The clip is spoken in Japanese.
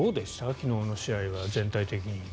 昨日の試合は全体的に。